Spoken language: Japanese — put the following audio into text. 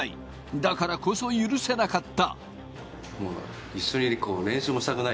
だからこそ許せなかった。